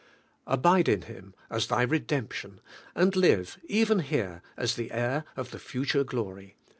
Abide in Him as thy redemption, and live, even here, as the heir of the future glory.